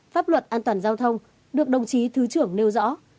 pháp luật an toàn giao thông được đồng chí thứ trưởng nêu rõ